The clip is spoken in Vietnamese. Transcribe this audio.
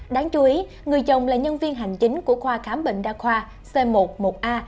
đáng chú ý người chồng là nhân viên hành chính của khoa khám bệnh đa khoa c một một a